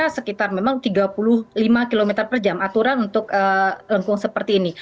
sekitar memang tiga puluh lima km per jam aturan untuk lengkung seperti ini